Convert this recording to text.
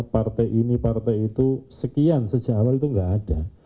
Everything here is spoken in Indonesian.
partai ini partai itu sekian sejak awal itu nggak ada